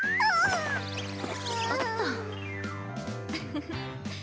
フフフッ。